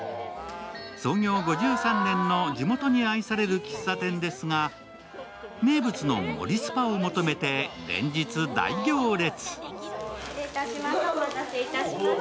創業５３年の地元に愛される喫茶店ですが、名物のモリスパを求めて連日大行列。